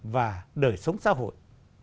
và đời sống xã hội